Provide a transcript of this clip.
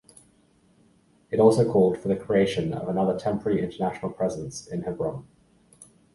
It also called for the creation of another Temporary International Presence in Hebron.